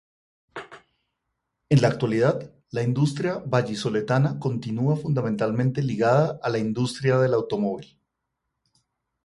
En la actualidad, la industria vallisoletana continua fundamentalmente ligada a la industria del automóvil.